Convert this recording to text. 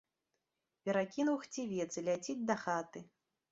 Перакінуў хцівец і ляціць дахаты.